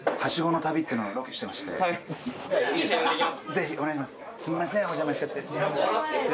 ぜひお願いします。